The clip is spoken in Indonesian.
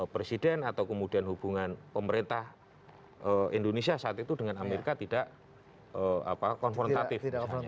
presiden atau kemudian hubungan pemerintah indonesia saat itu dengan amerika tidak konfrontatif